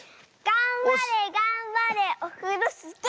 がんばれがんばれオフロスキー！